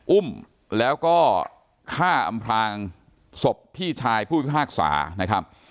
อุ้มแล้วก็ฆ่าอำพลางศพพี่ชายผู้พิพากษานะครับ